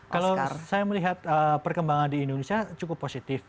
kalau saya melihat perkembangan di indonesia cukup positif